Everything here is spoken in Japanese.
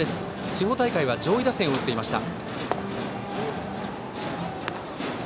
地方大会は上位打線を打っていました。